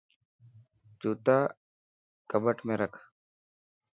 جوتا ڪٻٽ ۾ رک.